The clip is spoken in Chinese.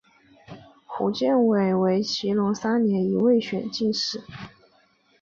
胡建伟为乾隆三年己未科进士。